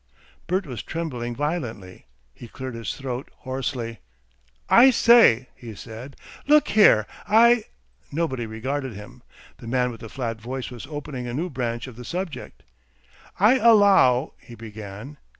Bert was trembling violently. He cleared his throat hoarsely. "I say," he said, "look here, I " Nobody regarded him. The man with the flat voice was opening a new branch of the subject. "I allow " he began.